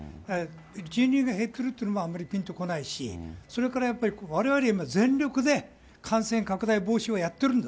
人流が減ってるっていうのもあまり、ぴんとこないし、それからやっぱり、われわれ今、全力で感染拡大防止をやってるんだ。